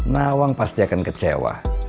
nawang pasti akan kecewa